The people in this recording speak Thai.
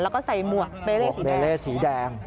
แล้วก็ใส่หมวกเมเล่สีแดง